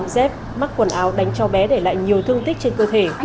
dép mắc quần áo đánh cho bé để lại nhiều thương tích trên cơ thể